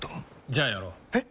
じゃあやろう。え？